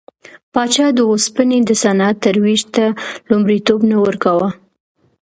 پاچا د اوسپنې د صنعت ترویج ته لومړیتوب نه ورکاوه.